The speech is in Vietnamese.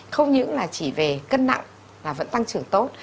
không những là chỉ về cân nặng mà vẫn tăng trưởng tốt